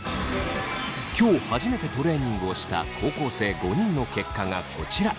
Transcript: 今日初めてトレーニングをした高校生５人の結果がこちら。